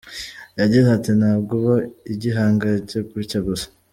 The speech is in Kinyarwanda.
Yagize ati: “Ntabwo uba igihangange gutyo gusa.